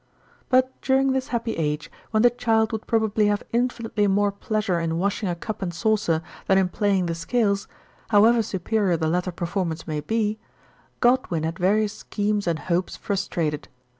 But during this happy age, when the child would probably have infinitely more pleasure in wash ing a cup and saucer than in playing the scales, however superior the latter performance may be, Godwin had various schemes and hopes frustrated.